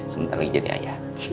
sebentar lagi jadi ayah